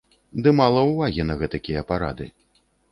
Ды мала ўвагі на гэтакія парады.